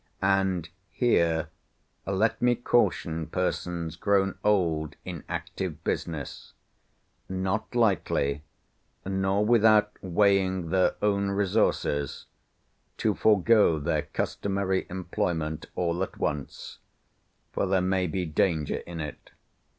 And here let me caution persons grown old in active business, not lightly, nor without weighing their own resources, to forego their customary employment all at once, for there may be danger in it.